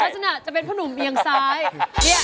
ราชหน้าจะเป็นผู้หนุ่มเอียงซ้าย